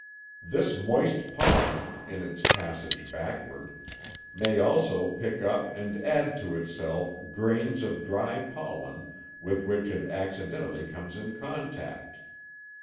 This moist pollen, in its passage backward, may also pick up and add to itself grains of dry pollen with which it accidentally comes in contact.